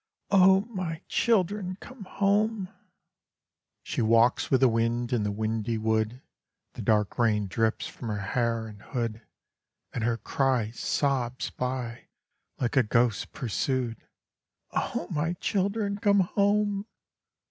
O my children, come home!" III She walks with the wind in the windy wood; The dark rain drips from her hair and hood, And her cry sobs by, like a ghost pursued, "O my children, come home!"